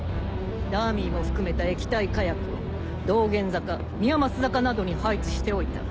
ダミーも含めた液体火薬を道玄坂宮益坂などに配置しておいた。